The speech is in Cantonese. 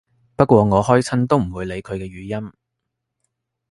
不過我開親都唔會理佢嘅語音